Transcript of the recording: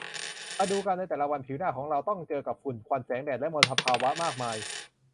มาดูกัน ในแต่ละวันผิวหน้าของเราต้องเจอกับฝุ่น ควัน แสงแดด และมลภาวะมากมาย